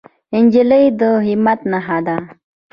نجلۍ د همت نښه ده.